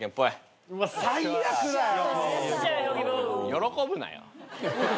喜ぶなよ。